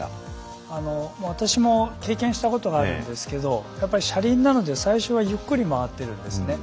私も経験したことがあるんですけど車輪なので、最初はゆっくり回っているんですね。